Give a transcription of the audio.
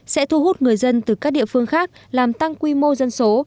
sẽ thu hút người dân từ các địa phương khác làm tăng quy mô dân số